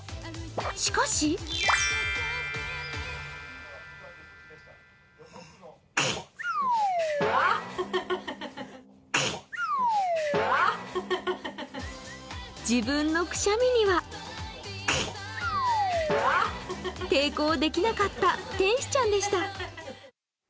しかし自分のくしゃみには抵抗できなかった天使ちゃんでした。